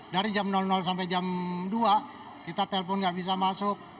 dari jam sampai jam dua kita telpon nggak bisa masuk